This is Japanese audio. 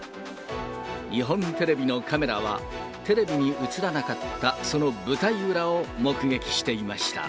日本テレビのカメラは、テレビに映らなかったその舞台裏を目撃していました。